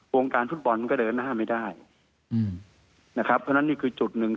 วงการฟุตบอลมันก็เดินหน้าไม่ได้อืมนะครับเพราะฉะนั้นนี่คือจุดหนึ่ง